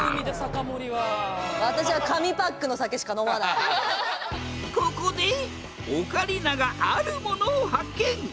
私はここでオカリナがあるものを発見